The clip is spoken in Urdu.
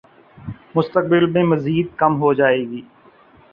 مستقبل میں مزید کم ہو جائے گی